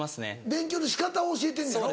勉強の仕方を教えてんのやろ？